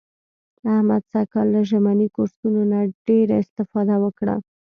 احمد سږ کال له ژمني کورسونو نه ډېره اسفاده وکړه.